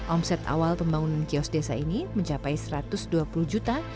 omset awal pembangunan kios desa ini mencapai satu ratus dua puluh juta